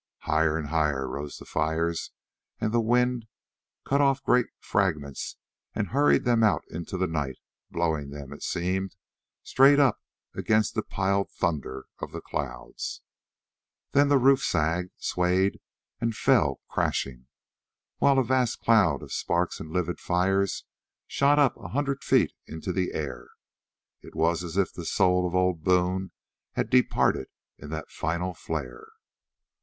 Higher and higher rose the fires, and the wind cut off great fragments and hurried them off into the night, blowing them, it seemed, straight up against the piled thunder of the clouds. Then the roof sagged, swayed, and fell crashing, while a vast cloud of sparks and livid fires shot up a hundred feet into the air. It was as if the soul of old Boone had departed in that final flare.